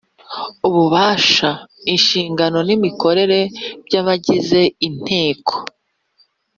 Ububasha inshingano n imikorere by abagize inteko